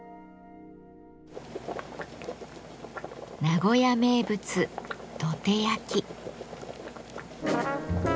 名古屋名物「どて焼き」。